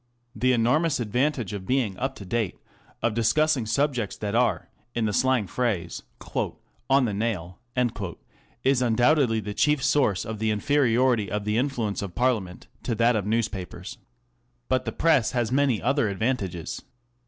f The enormous advantage of being up to date, of discussing sub / jects that are, in the slang phrase, " on the nail/' is undoubtedly the chief source of the inferiority of the influence of Parliament to that of newspapers. But the Press has many other advantages.